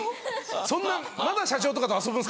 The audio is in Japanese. そんなまだ社長とかと遊ぶんですか？